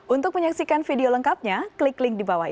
untuk menyaksikan video lengkapnya klik link di bawah ini